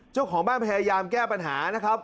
เจ้าของบ้านพยายามแก้ปัญหานะครับ